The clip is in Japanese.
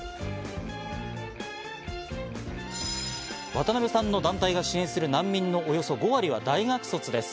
渡部さんの団体が支援する難民のおよそ５割は大学卒です。